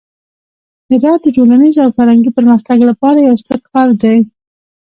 هرات د ټولنیز او فرهنګي پرمختګ لپاره یو ستر ښار دی.